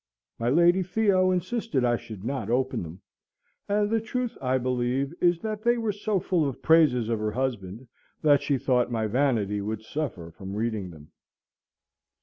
My Lady Theo insisted I should not open them; and the truth, I believe, is, that they were so full of praises of her husband that she thought my vanity would suffer from reading them.